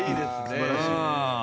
素晴らしい。